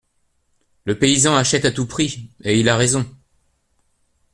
Le paysan achète à tout prix, et il a raison.